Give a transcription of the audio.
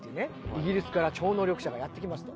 イギリスから超能力者がやって来ました。